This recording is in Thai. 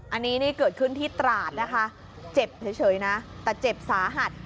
อันนี้นี่เกิดขึ้นที่ตราดนะคะเจ็บเฉยนะแต่เจ็บสาหัส